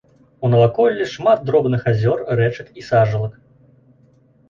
У наваколлі шмат дробных азёр, рэчак і сажалак.